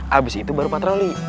habis itu baru patroli